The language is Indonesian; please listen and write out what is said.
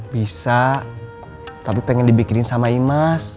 bisa tapi pengen dibikinin sama imas